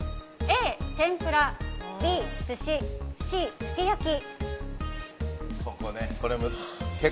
Ａ、天ぷらＢ、寿司Ｃ、すき焼き。